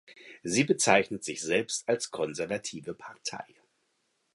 Sie bezeichnet sich selbst als konservative Partei.